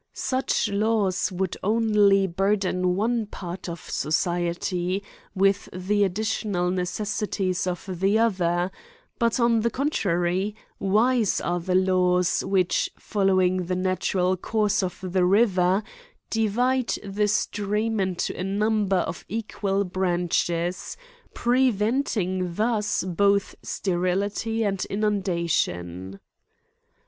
Such laws would only burden one part of society with the additional necessities of tho CRIMES AXD PUNISHMENTS. lii> Other ; but, on the contrary, wise are the laws which, following the natural course of the river, divide the stream into a number of equal branch es, preventing thus both sterility and inundation.